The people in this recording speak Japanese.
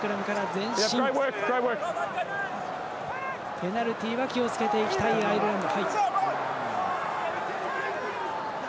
ペナルティは気をつけていきたいアイルランド。